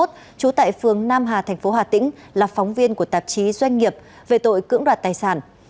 trú tại phường nam hà thành phố hà tĩnh là phóng viên của tạp chí doanh nghiệp về tội cưỡng đoạt tài sản